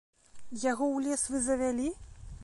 Яго ў лес вы завялі?